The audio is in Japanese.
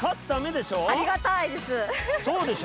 ありがたいです。